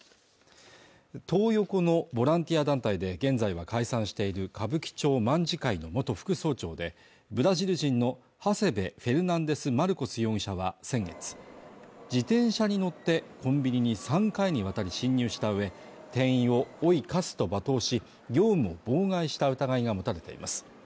トー横のボランティア団体で現在は解散している歌舞伎町卍会の元副総長でブラジル人のハセベ・フェルナンデス・マルコス容疑者は先月自転車に乗ってコンビニに３回にわたり侵入したうえ店員を「おい、カス」と罵倒し業務を妨害した疑いが持たれています